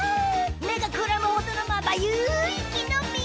めがくらむほどのまばゆいきのみ！